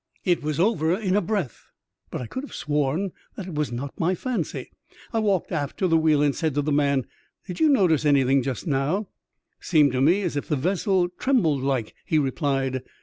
It was over in a breath, but I could have sworn that it was not my fancy. I walked aft to the wheel and said to the man, *' Did you notice anything just now ?"*' Seemed to me as if the vessel trembled like," he replied.